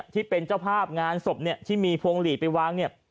ที่เป็นเจ้าภาพงานศพที่มีพวงหลีดไปวาง